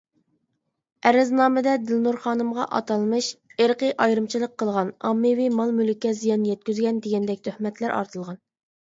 ئەرزنامىدە دىلنۇر خانىمغا ئاتالمىش «ئىرقىي ئايرىمىچىلىق قىلغان، ئاممىۋى مال مۈلۈككە زىيان يەتكۈزگەن» دېگەندەك تۆھمەتلەر ئارتىلغان.